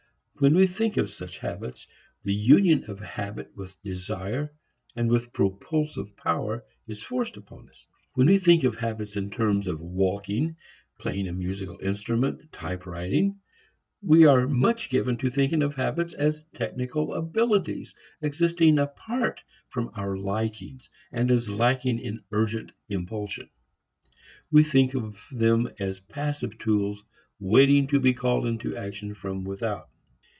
When we think of such habits, the union of habit with desire and with propulsive power is forced upon us. When we think of habits in terms of walking, playing a musical instrument, typewriting, we are much given to thinking of habits as technical abilities existing apart from our likings and as lacking in urgent impulsion. We think of them as passive tools waiting to be called into action from without.